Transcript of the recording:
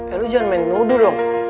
eh lo jangan main nudu dong